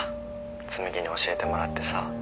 紬に教えてもらってさ。